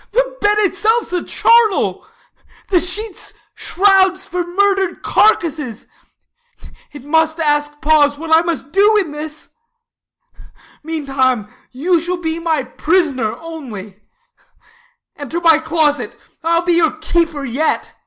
Ah. The bed itself 's a charnel, the sheets shrouds For murdered carcasses ; it must ask pause What I must do in this, meantime you shall 85 Be my prisoner only : enter my closet ; Exit Beatrice . I'll be your keeper yet.